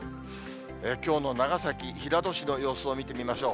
きょうの長崎・平戸市の様子を見てみましょう。